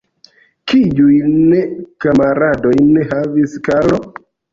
Kiujn kamaradojn havis Karlo?